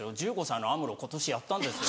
１５歳のアムロ今年やったんです。